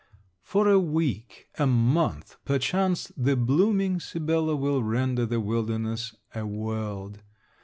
For a week, a month, perchance, the blooming Sibella will render the wilderness a world.